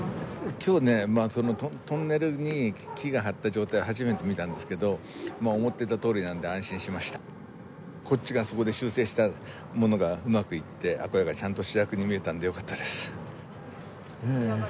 今日ねトンネルに木がはった状態初めて見たんですけど思ってたとおりなんで安心しましたこっちがそこで修正したものがうまくいってアコヤがちゃんと主役に見えたんでよかったです